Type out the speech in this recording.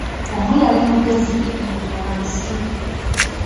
Omu yali mugezi, ng'omulala musiru.